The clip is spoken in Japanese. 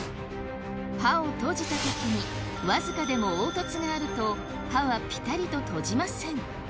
刃を閉じたときにわずかでも凹凸があると刃はぴたりと閉じません